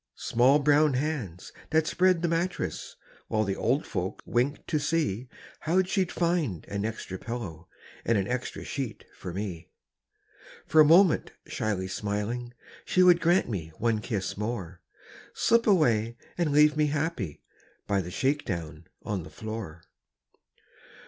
Small brown hands that spread the mattress While the old folk winked to see How she'd find an extra pillow And an extra sheet for me. For a moment shyly smiling, She would grant me one kiss more Slip away and leave me happy By the shake down on the floor.